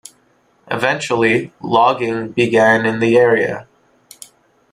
Eventually, logging began in the area.